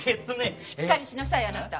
しっかりしなさいあなた。